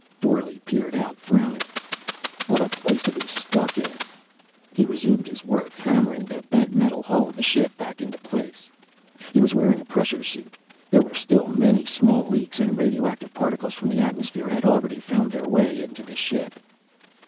Dorle peered out, frowning. "What a place to be stuck in." He resumed his work, hammering the bent metal hull of the ship back into place. He was wearing a pressure suit; there were still many small leaks, and radioactive particles from the atmosphere had already found their way into the ship.